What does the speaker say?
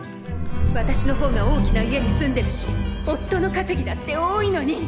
私の方が大きな家に住んでるし夫のかせぎだって多いのに。